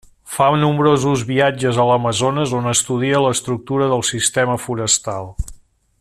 Fa nombrosos viatges a l'Amazones on estudia l'estructura del sistema forestal.